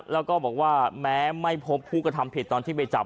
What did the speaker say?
แล้วก็บอกว่าแม้ไม่พบผู้กระทำผิดตอนที่ไปจับ